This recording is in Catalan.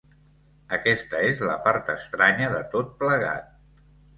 Aquesta és la part estranya de tot plegat.